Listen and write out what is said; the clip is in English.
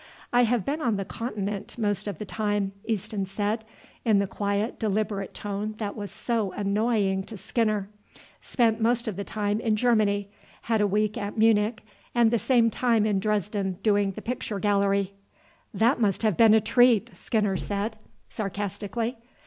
"I have been on the Continent most of the time," Easton said, in the quiet, deliberate tone that was so annoying to Skinner. "Spent most of the time in Germany: had a week at Munich, and the same time in Dresden doing the picture gallery." "That must have been a treat," Skinner said sarcastically.